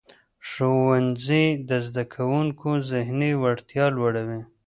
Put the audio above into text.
ښوونځی د زدهکوونکو ذهني وړتیا لوړوي.